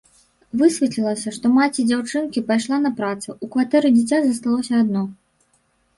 Высветлілася, што маці дзяўчынкі пайшла на працу, у кватэры дзіця засталося адно.